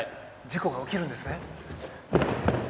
事故が起きるんですね。